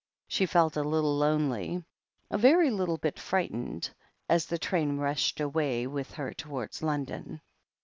She felt a little lonely, a very little bit frightened, as the train rushed away with her towards London.